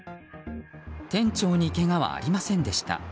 店長にけがはありませんでした。